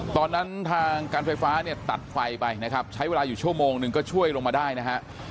ตอนนั้นทางการไฟฟ้าตัดไฟไปนะครับใช้เวลาอยู่ชั่วโมงนึงก็ช่วยลงมาได้นะครับ